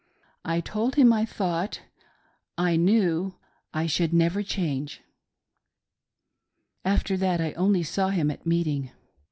I told him I thought — I knew I should never change. After that I only saw him. at meeting.